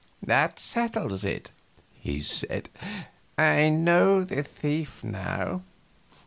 "That settles it," he said. "I know the thief now.